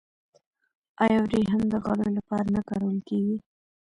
آیا وریښم د غالیو لپاره نه کارول کیږي؟